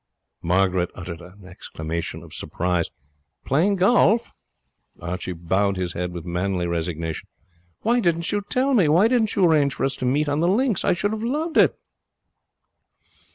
Margaret uttered an exclamation of surprise. 'Playing golf!' Archibald bowed his head with manly resignation. 'Why didn't you tell me? Why didn't you arrange for us to meet on the links? I should have loved it.'